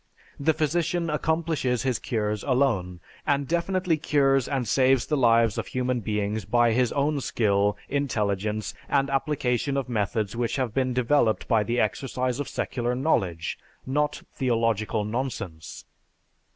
The physician accomplishes his cures alone, and definitely cures and saves the lives of human beings by his own skill, intelligence, and application of methods which have been developed by the exercise of secular knowledge, not theological nonsense.